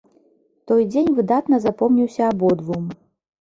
Той дзень выдатна запомніўся абодвум.